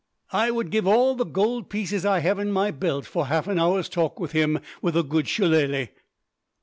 I would give all the gold pieces I have in my belt for half an hour's talk with him, with a good shillelah!"